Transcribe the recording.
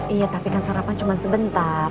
iya tapi kan sarapan cuma sebentar